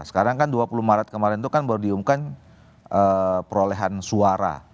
sekarang kan dua puluh maret kemarin itu kan baru diumumkan perolehan suara